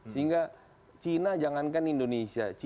sehingga cina jangankan indonesia